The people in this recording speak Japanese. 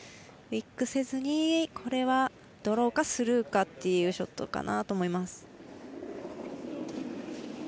ウイックせずに、これはドローかスルーかというショットだと思います。